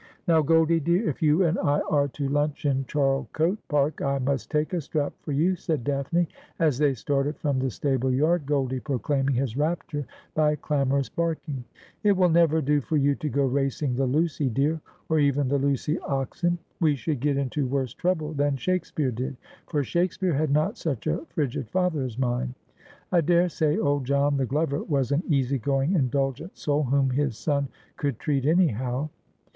' Now, Goldie dear, if you and I are to lunch in Charlecote Park, I must take a strap for you,' said Daphne, as they started from the stable yard, Goldie proclaiming his rapture by clamor ous barking. ' It will never do for you to go racing the Lucy deer, or even the Lucy oxen. We should get into worse trouble than Shakespeare did, for Shakespeare had not such a frigid father as mine. I daresay old John, the glover, was an easy going indulgent soul whom his son could treat anyhow.'